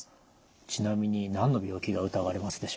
ちなみに何の病気が疑われますでしょう？